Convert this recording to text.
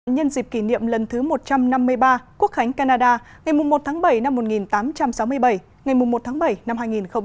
nhân dịp kỷ niệm lần thứ một trăm năm mươi ba quốc khánh canada ngày một tháng bảy năm một nghìn tám trăm sáu mươi bảy ngày một tháng bảy năm hai nghìn hai mươi